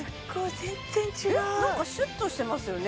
全然違うえっ何かシュッとしてますよね